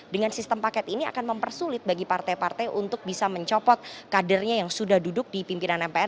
dengan sistem paket ini akan mempersulit bagi partai partai untuk bisa mencopot kadernya yang sudah duduk di pimpinan mpr